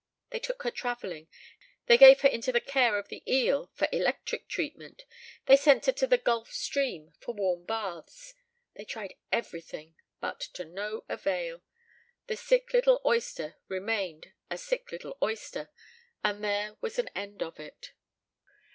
They took her travelling; they gave her into the care of the eel for electric treatment; they sent her to the Gulf Stream for warm baths, they tried everything, but to no avail. The sick little oyster remained a sick little oyster, and there was an end of it.